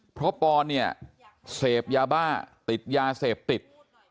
เพราะปอนเนี่ยเสพยาบ้าติดยาเสพติด